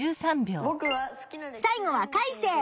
さい後はカイセイ。